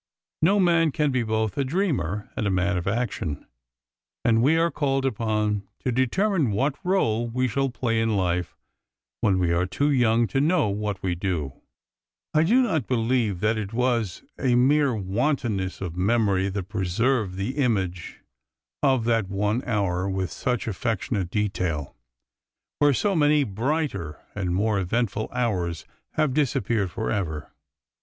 No man can be both a dreamer and a man of action, and we are called upon to determine what role we shall play in life when we are too young to know what we do. 1 do not believe that it was a mere wanton ness of memory that preserved the image of that one hour with such affectionate detail, 270 A WET DAY where so many brighter and more eventful hours have disappeared for ever.